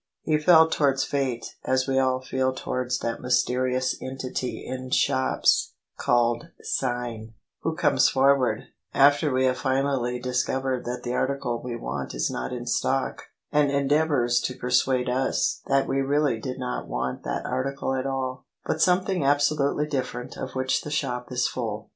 He felt towards Fate as we all feel towards that mysterious entity in shops, called " Sign," who comes; forward, after we have finally discovered that the article we want is not in stock, and endeavours to persuade us that we really did not want that article at all, but some thing absolutely different of which the shop is full.